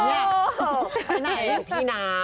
ไปไหนที่หน้า